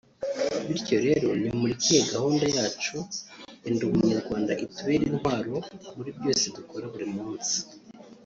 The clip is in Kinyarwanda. bityo rero nimureke iyi gahunda yacu ya ‘Ndi Umunyarwanda’ itubere intwaro muri byose dukora buri munsi”